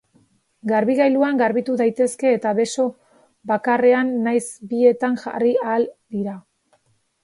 Garbigailuan garbitu daitezke eta beso bakarrean nahiz bietan jarri ahal dira.